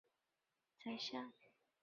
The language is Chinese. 为牟羽可汗的宰相。